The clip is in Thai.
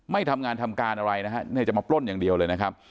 ไม่ทำงานทำการอะไรนะฮะเนี่ยจะมาปล้นอย่างเดียวเลยนะครับ